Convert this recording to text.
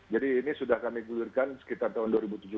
jadi ini sudah kami gujurkan sekitar tahun dua ribu tujuh belas